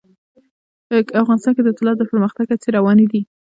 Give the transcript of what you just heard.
افغانستان کې د طلا د پرمختګ هڅې روانې دي.